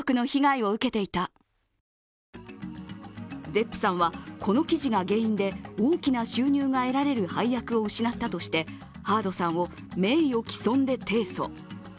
デップさんは、この記事が原因で大きな収入が得られる配役を失ったとしてハードさんを名誉毀損で提訴。